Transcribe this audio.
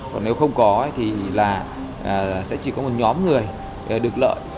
còn nếu không có thì là sẽ chỉ có một nhóm người được lợi